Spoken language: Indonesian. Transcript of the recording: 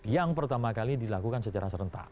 yang pertama kali dilakukan secara serentak